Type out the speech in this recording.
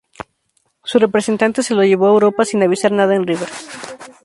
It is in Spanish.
Su representante se lo llevó a Europa sin avisar nada en River.